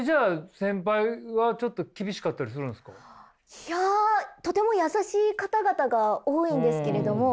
いやとても優しい方々が多いんですけれども。